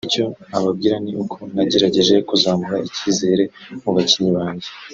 Icyo nababwira ni uko nagerageje kuzamura ikizere mu bakinnyi banjye